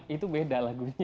itu beda lagunya